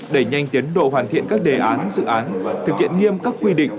đẩy nhanh tiến độ hoàn thiện các đề án dự án thực hiện nghiêm các quy định